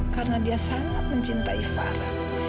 karena dia sangat mencintai farah